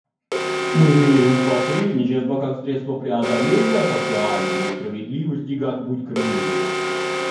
Мы верим в посредничество как средство преодоления социальной несправедливости и как путь к миру.